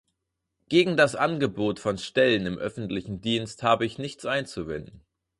Gegen das Angebot von Stellen im öffentlichen Dienst habe ich nichts einzuwenden.